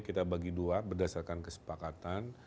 kita bagi dua berdasarkan kesepakatan